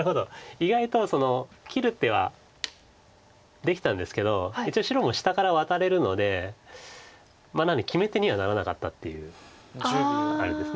意外と切る手はできたんですけど一応白も下からワタれるので決め手にはならなかったっていうあれです